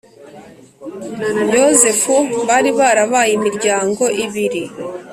Yozefu bari barabaye imiryango ibiri